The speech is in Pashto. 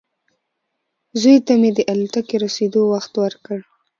زوی ته مې د الوتکې رسېدو وخت ورکړ.